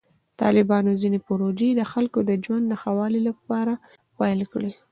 طالبانو ځینې پروژې د خلکو د ژوند د ښه والي لپاره پیل کړې.